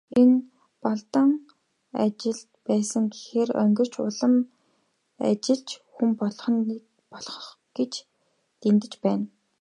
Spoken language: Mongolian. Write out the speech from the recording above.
Энэ Балдан ажилд сайн гэхээр онгирч, улам ажилч хүн болох гэж дэндэж байна.